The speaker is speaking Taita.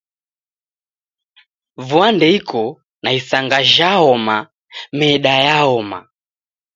Vua ndeiko na isanga jhaoma, meda yaoma